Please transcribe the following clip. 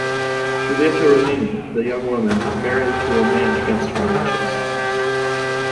"Julieta Rossini", the young woman, is married to a man against her own wishes.